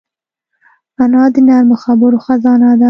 انا د نرمو خبرو خزانه ده